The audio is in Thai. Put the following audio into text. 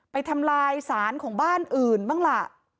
ทำลายสารของบ้านอื่นบ้างล่ะ